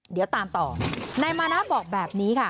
เดี๋ยวตามต่อนายมานะบอกแบบนี้ค่ะ